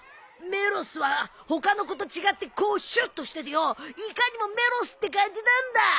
メロスは他の子と違ってこうシュッとしててよいかにもメロスって感じなんだ。